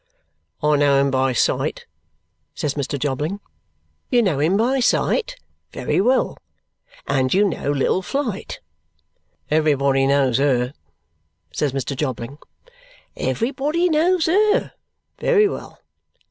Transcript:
"I know him by sight," says Mr. Jobling. "You know him by sight. Very well. And you know little Flite?" "Everybody knows her," says Mr. Jobling. "Everybody knows her. VERY well.